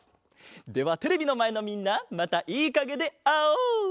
ではテレビのまえのみんなまたいいかげであおう！